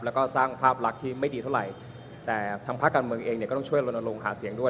แล้วก็สร้างภาพลักษณ์ที่ไม่ดีเท่าไหร่แต่ทางภาคการเมืองเองเนี่ยก็ต้องช่วยลนลงหาเสียงด้วย